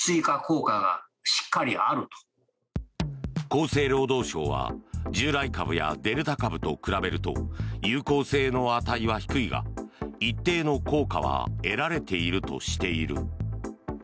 厚生労働省は従来株やデルタ株と比べると有効性の値は低いが一定の効果は得られているとしている。